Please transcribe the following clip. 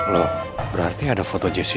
loh berarti ada foto jessica